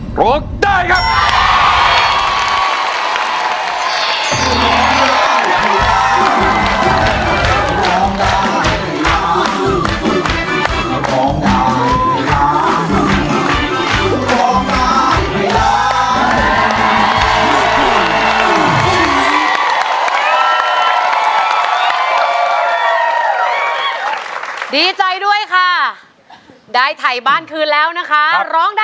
โปรดต่ออีกครั้ง